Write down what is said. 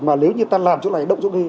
mà nếu như ta làm chỗ này động chỗ kia